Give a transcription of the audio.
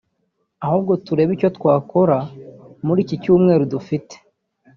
ahubwo turebe icyo twakora muri icyi cyumweru dufite